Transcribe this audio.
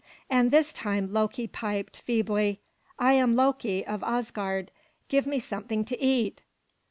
And this time Loki piped feebly, "I am Loki of Asgard; give me something to eat!"